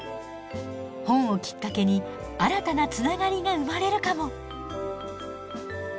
本をきっかけに新たなつながりが生まれるかも！